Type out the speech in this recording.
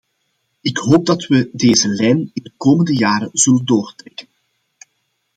Ik hoop dat we deze lijn in de komende jaren zullen doortrekken.